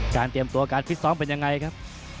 เตรียมตัวการฟิตซ้อมเป็นยังไงครับ